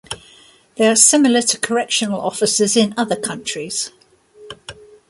They are similar to correctional officers in other countries.